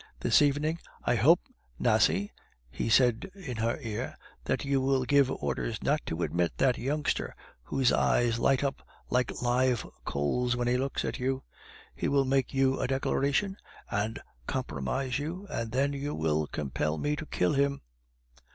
This evening " "I hope, Nasie," he said in her ear, "that you will give orders not to admit that youngster, whose eyes light up like live coals when he looks at you. He will make you a declaration, and compromise you, and then you will compel me to kill him."